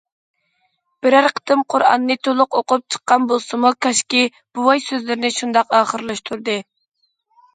بىرەر قېتىم قۇرئاننى تولۇق ئوقۇپ چىققان بولسىمۇ كاشكى.... بوۋاي سۆزلىرىنى شۇنداق ئاخىرلاشتۇردى.